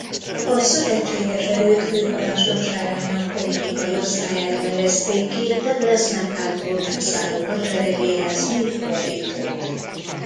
A Szövetséges Erők Főparancsnokságának politikai osztályára nevezték ki Douglas MacArthur megszálló hadseregéhez mint fordítót.